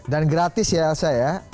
dan gratis ya elsa ya